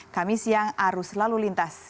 kami siang arus lalu lintas